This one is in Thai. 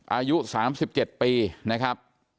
อายุ๓๗ปีนะครับ